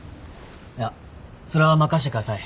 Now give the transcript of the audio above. いやそれは任してください。